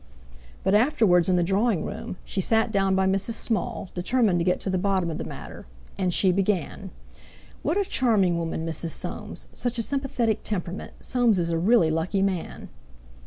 But afterwards in the drawing—room she sat down by Mrs. Small, determined to get to the bottom of the matter. And she began: "What a charming woman, Mrs. Soames; such a sympathetic temperament! Soames is a really lucky man!"